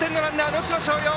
能代松陽。